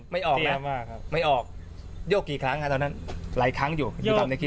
ไม่ออกแล้วไม่ออกยกกี่ครั้งครับตอนนั้นหลายครั้งอยู่อยู่กับในคลิป